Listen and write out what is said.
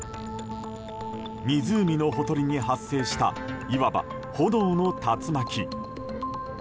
湖のほとりに発生したいわば炎の竜巻。